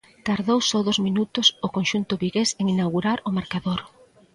Tardou só dous minutos o conxunto vigués en inaugurar o marcador.